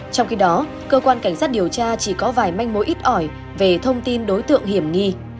trong khi đó cơ quan cảnh sát điều tra chỉ có vài manh mối ít ỏi về thông tin đối tượng hiểm nghi